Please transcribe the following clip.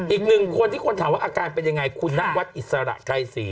อีกหนึ่งคนที่คนถามว่าอาการเป็นยังไงคุณนวัดอิสระไกรศรี